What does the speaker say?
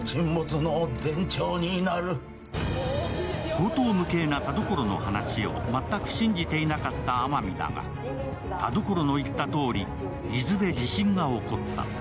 荒唐無稽な田所の話を全く信じていなかった天海だが、田所の言ったとおり、伊豆で地震が起こった。